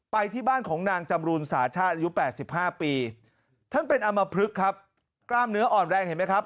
ไปที่บ้านของนางจำรูนสาชาติอายุ๘๕ปีท่านเป็นอำมพลึกครับกล้ามเนื้ออ่อนแรงเห็นไหมครับ